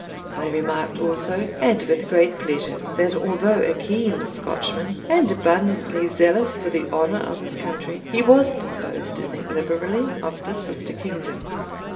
I remarked also, and with great pleasure, that although a keen Scotchman, and abundantly zealous for the honour of his country, he was disposed to think liberally of the sister kingdom.